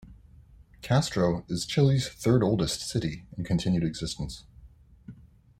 Castro is Chile's third oldest city in continued existence.